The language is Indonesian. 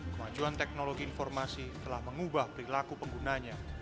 kemajuan teknologi informasi telah mengubah perilaku penggunanya